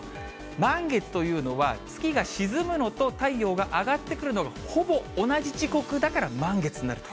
満月というのは、月が沈むのと太陽が上がってくるのがほぼ同じ時刻だから満月になると。